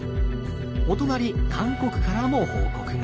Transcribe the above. お隣韓国からも報告が。